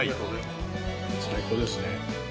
最高ですね。